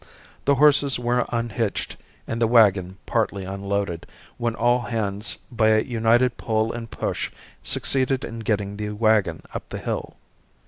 The horses were unhitched and the wagon partly unloaded, when all hands by a united pull and push succeeded in getting the wagon up the hill.